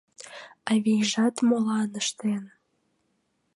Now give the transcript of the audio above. Авийжат молан ыштен